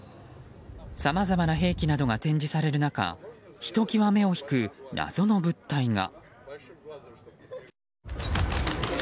さまざまな兵器などが展示される中、ひときわ目を引く謎の物体が。